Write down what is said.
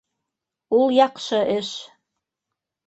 Ул яҡшы эш.